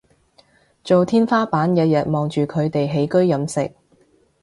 做天花板日日望住佢哋起居飲食